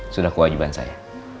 sudah kewajiban saya